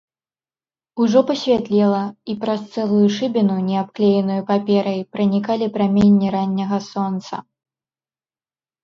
Ужо пасвятлела, і праз цэлую шыбіну, не абклееную паперай, пранікалі праменні ранняга сонца.